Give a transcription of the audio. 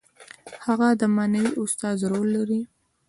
هغه د معنوي استاد رول لري.